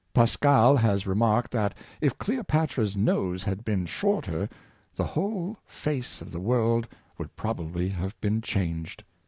Pascal has remaiked that if Cleopatra 's nose had been shorter, the whole face of the world would probably have been changed.